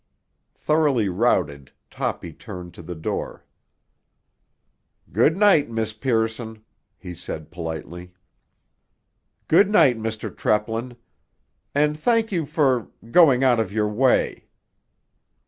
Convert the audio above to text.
Thoroughly routed, Toppy turned to the door. "Good night, Miss Pearson," he said politely. "Good night, Mr. Treplin. And thank you for—going out of your way."